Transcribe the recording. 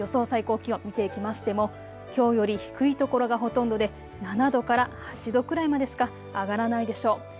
最高気温、見ていきましてもきょうより低いところがほとんどで７度から８度くらいまでしか上がらないでしょう。